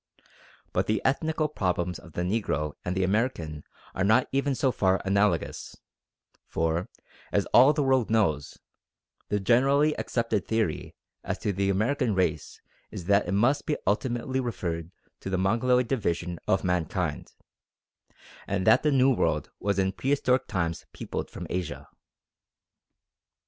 But the ethnical problems of the Negro and the American are not even so far analogous; for, as all the world knows, the generally accepted theory as to the American race is that it must be ultimately referred to the Mongoloid division of mankind, and that the New World was in prehistoric times peopled from Asia.